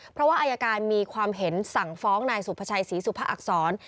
เพราะว่าอายการมีความเห็นสั่งฟ้องนายสุภาชัยศรีสุภาอักษร